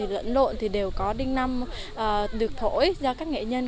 lẫn lộn thì đều có đinh năm được thổi do các nghệ nhân